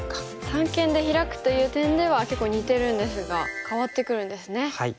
三間でヒラくという点では結構似てるんですが変わってくるんですね。